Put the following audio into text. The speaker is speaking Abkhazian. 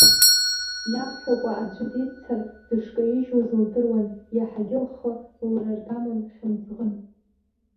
Иамҳәакәа аӡәы диццар, дышкаижьуаз лдыруан, иаҳагьы лхы лраргамон, хьымӡӷын.